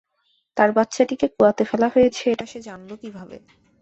তার বাচ্চাটিকে কুয়াতে ফেলা হয়েছে, এটা সে জানল কীভাবে?